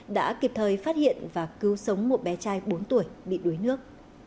đã kịp thời phát hiện và cứu sống một bé trai bốn tuổi bị đuối nước